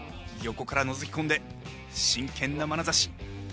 横からのぞきこんで真剣なまなざし。